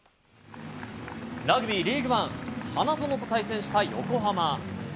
ラグビーリーグワン、花園と対戦した横浜。